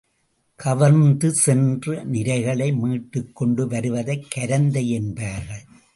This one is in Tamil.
கவர்ந்து சென்ற நிரைகளை மீட்டுக் கொண்டு வருவதை கரந்தை என்பார்கள்.